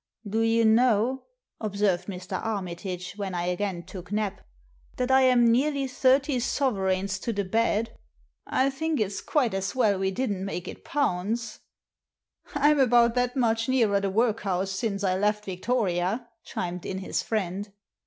"Do you know," observed Mr. Armitage, when I again took Nap, "that I'm nearly thirty sovereigns to the bad ? I think it's quite as well we didn't make it pounds." " I'm about that much nearer the workhouse since I left Victoria," chimed in his friend.